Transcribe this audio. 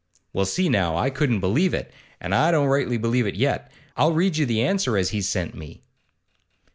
'Well, see now. I couldn't believe it, an' I don't rightly believe it yet. I'll read you the answer as he's sent me.